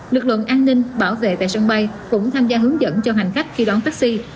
lực lượng an ninh bảo vệ tại sân bay cũng tham gia hướng dẫn cho hành khách khi đón taxi